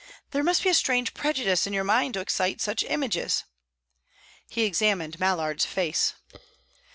There must be a strange prejudice in your mind to excite such images." He examined Mallard's face.